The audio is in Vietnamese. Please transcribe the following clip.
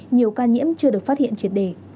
nhiều ca nhiễm chưa được phát hiện triệt đề